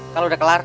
kalau udah kelar